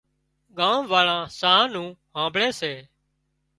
ڳام واۯان ساهَه نُون هانمڀۯي سي